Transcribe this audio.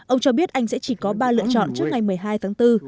ông cho biết anh sẽ chỉ có ba lựa chọn trước ngày một mươi hai tháng bốn